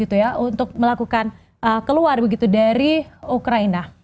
untuk melakukan keluar begitu dari ukraina